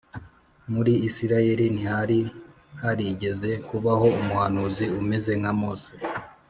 muri Isirayeli ntihari harigeze kubaho umuhanuzi umeze nka Mose,